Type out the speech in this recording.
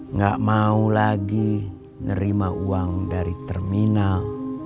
nggak mau lagi nerima uang dari terminal